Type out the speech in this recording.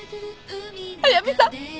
速見さん。